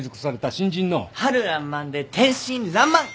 春らんまんで天真らんまん！